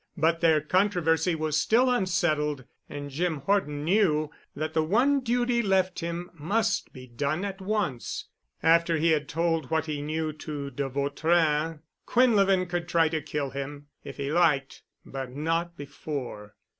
But their controversy was still unsettled and Jim Horton knew that the one duty left him must be done at once. After he had told what he knew to de Vautrin, Quinlevin could try to kill him if he liked—but not before....